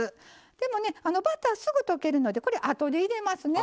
でもバターすぐ溶けるのでこれあとで入れますね。